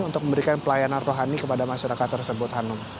untuk memberikan pelayanan rohani kepada masyarakat tersebut hanum